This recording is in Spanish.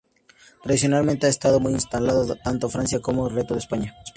Tradicionalmente ha estado muy aislada tanto de Francia como del resto de España.